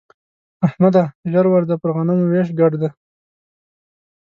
احمده! ژر ورځه پر غنمو وېش ګډ دی.